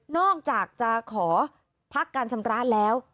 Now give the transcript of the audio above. อกจากจะขอพักการชำระแล้ว